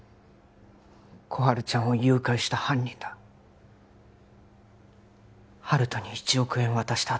心春ちゃんを誘拐した犯人だ温人に１億円渡した